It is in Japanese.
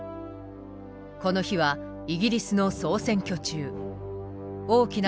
この日はイギリスの総選挙中。